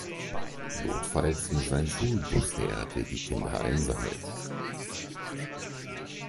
Notfalls muss ein Schulbus her, der die Kinder einsammelt.